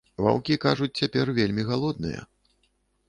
Ваўкі, кажуць, цяпер вельмі галодныя.